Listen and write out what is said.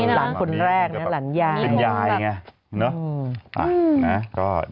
หลังคุณแรกหลังยาย